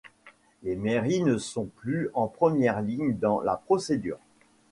Les mairies ne sont plus en première ligne dans la procédure.